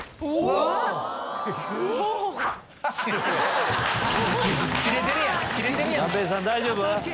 段平さん大丈夫？